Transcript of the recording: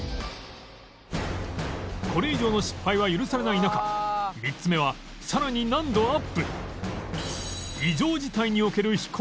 これ以上の失敗は許されない中３つ目はさらに難度アップ